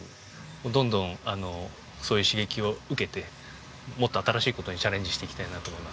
どんどんそういう刺激を受けてもっと新しい事にチャレンジしていきたいなと思います。